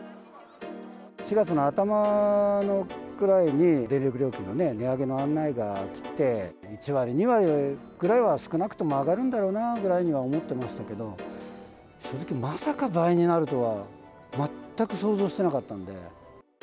４月の頭くらいに、電力料金の値上げの案内が来て、１割、２割くらいは、少なくとも上がるんだろうなぐらいには思ってましたけど、正直、まさか倍になるとは、全く想像してなかったんで。